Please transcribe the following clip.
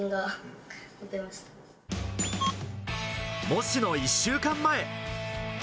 模試の１週間前。